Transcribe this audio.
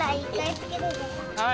はい。